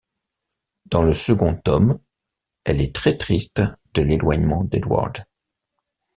Dans le second tome, elle est très triste de l'éloignement d'Edward.